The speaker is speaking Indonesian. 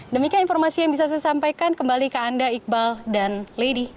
demikian informasi yang bisa saya sampaikan kembali ke anda iqbal dan lady